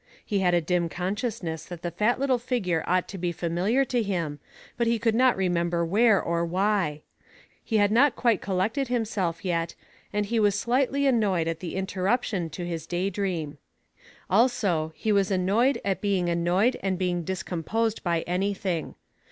He had a dim consciousness that the fat little figure ought to be familiar to him, but he could not re member where or why. He had not quite collected himself yet, and he was slightly annoyed at the X5 Digitized by Google i6 THE FATk OF FENELlA. interruption to his day dream. Also he was annoyed at being annoyed and being discomposed by anything.